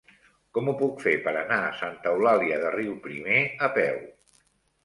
Com ho puc fer per anar a Santa Eulàlia de Riuprimer a peu?